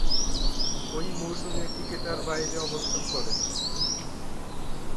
ঐ মৌসুমে ক্রিকেটের বাইরে অবস্থান করেন।